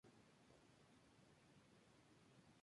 En la final superó a su compatriota Wilmer Allison.